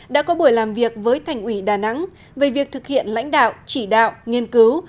đã có buổi làm việc với thành ủy đà nẵng về việc thực hiện lãnh đạo chỉ đạo nghiên cứu